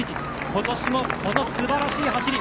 今年もこの素晴らしい走り